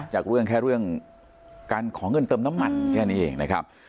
จากเรื่องแค่เรื่องการขอเงินเติมน้ำมันแค่นี้เองนะครับ